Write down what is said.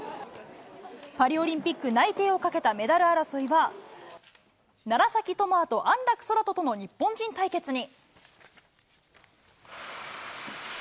パリオリンピック内定をかけたメダル争いは、楢崎智亜と安楽宙斗との日本人対決に。